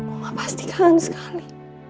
oma pasti kangen sekali